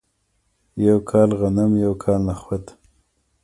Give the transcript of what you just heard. یو کال غنم یو کال نخود.